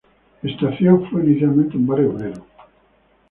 Estácio fue inicialmente un barrio obrero.